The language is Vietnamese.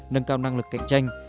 nâng cao năng lực cạnh tranh